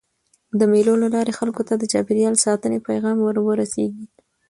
د مېلو له لاري خلکو ته د چاپېریال ساتني پیغام وررسېږي.